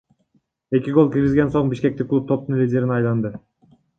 Эки гол киргизген соң бишкектик клуб топтун лидерине айланды.